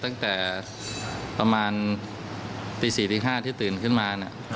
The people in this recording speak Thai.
ตั้งแต่ประมาณตี๔ตี๕ที่ตื่นขึ้นมา